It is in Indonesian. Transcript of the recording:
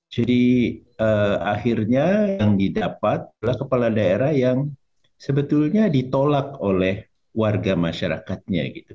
jadi akhirnya yang didapat adalah kepala daerah yang sebetulnya ditolak oleh warga masyarakatnya